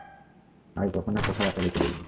আগে কখনো কোথাও একা যেতে দিইনি।